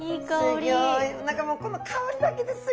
何かもうこの香りだけです